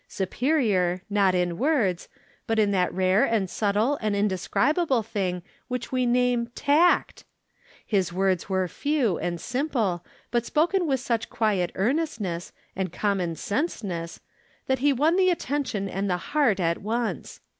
Superior, not in words, but in that rare and subtle and indescribable thing which we name tact? His words were few, and simple, but spoken with such quiet earnestness, and com mon senseness, that he won the attention and the heart at once.